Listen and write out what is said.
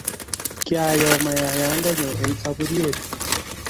kiayo mayayande nyu eng' saburiet.